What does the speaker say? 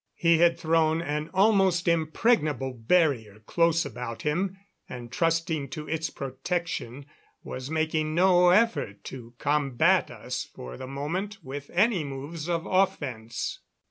He had thrown an almost impregnable barrier close about him and, trusting to its protection, was making no effort to combat us for the moment with any moves of offense.